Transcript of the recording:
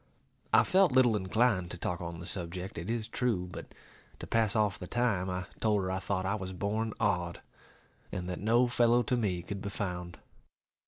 I felt little inclined to talk on the subject, it is true; but, to pass off the time, I told her I thought I was born odd, and that no fellow to me could be found.